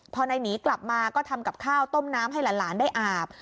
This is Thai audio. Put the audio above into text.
พอนายหนีกลับมาก็ทำกับข้าวต้มน้ำให้หลานได้อาบ